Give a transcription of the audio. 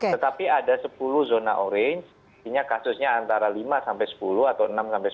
tetapi ada sepuluh zona orange ini kasusnya antara lima sampai sepuluh atau enam sampai sepuluh